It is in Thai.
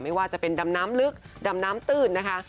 ไม่ว่าจะเป็นดำน้ำลึกดำน้ำตื้นนะคะ